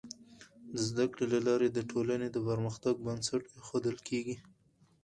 د زده کړي له لارې د ټولني د پرمختګ بنسټ ایښودل کيږي.